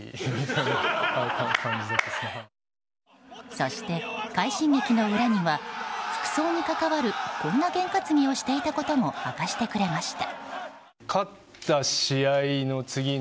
そして、快進撃の裏には服装に関わるこんな験担ぎをしていたことも明かしてくれました。